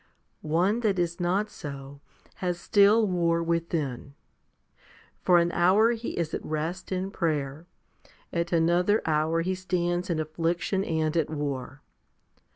One that is not so, has still war within. For an hour he is at rest in prayer ; at another hour he stands in affliction and at war.